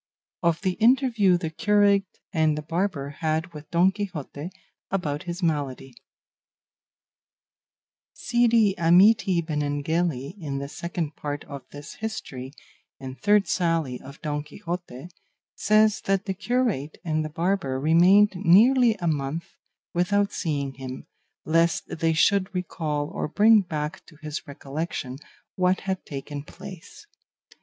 OF THE INTERVIEW THE CURATE AND THE BARBER HAD WITH DON QUIXOTE ABOUT HIS MALADY Cide Hamete Benengeli, in the Second Part of this history, and third sally of Don Quixote, says that the curate and the barber remained nearly a month without seeing him, lest they should recall or bring back to his recollection what had taken place.